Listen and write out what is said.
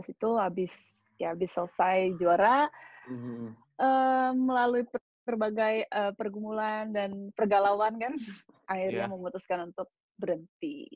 dua ribu sembilan belas itu ya abis selesai juara melalui berbagai pergumulan dan pergalauan kan akhirnya memutuskan untuk berhenti